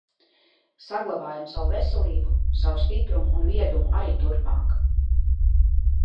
Saglabājam savu veselību, savu stiprumu un viedumu arī turpmāk...